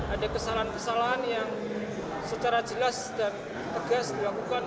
ada kesalahan kesalahan yang secara jelas dan tegas dilakukan